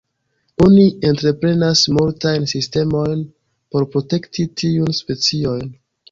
Oni entreprenas multajn sistemojn por protekti tiun specion.